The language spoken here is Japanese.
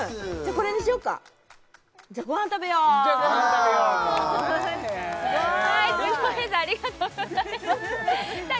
これにしようかじゃごはん食べようじゃごはん食べようすごいありがとうございますさあ